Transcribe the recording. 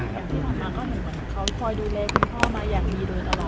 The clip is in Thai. พี่มันมาก็เห็นว่าเขาคอยดูแลคุณพ่อมาอย่างดีโดยตลอด